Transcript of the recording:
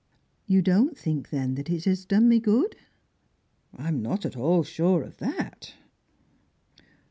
"You don't think, then, it has done me good?" "I am not at all sure of that."